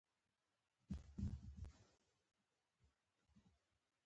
د قدرت برخه نه وي